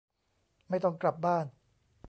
ไม่ต้องกลับบ้าน